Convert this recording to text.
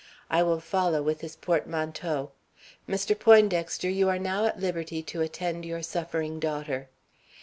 I will follow with his portmanteau. Mr. Poindexter, you are now at liberty to attend your suffering daughter."